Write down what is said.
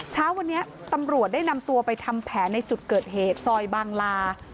เช้าวันนี้ตำรวจได้นำตัวไปทำแผนในจุดเกิดเหตุซอยบางลา